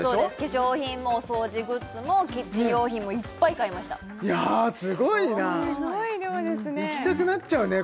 化粧品もお掃除グッズもキッチン用品もいっぱい買いましたやすごいなすごい量ですね行きたくなっちゃうね